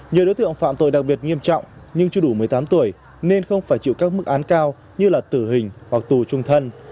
nhiều đối tượng phạm tội đặc biệt nghiêm trọng nhưng chưa đủ một mươi tám tuổi nên không phải chịu các mức án cao như là tử hình hoặc tù trung thân